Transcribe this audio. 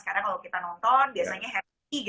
karena kalau kita nonton biasanya